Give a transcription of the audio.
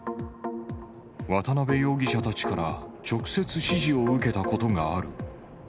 渡辺容疑者たちから直接指示を受けたことがある。